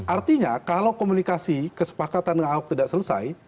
artinya kalau komunikasi kesepakatan dengan ahok tidak selesai